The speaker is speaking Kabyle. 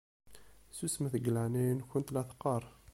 Susmemt deg leɛnaya-nkent la teqqaṛ!